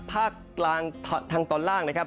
ภาคกลางทางตอนล่างนะครับ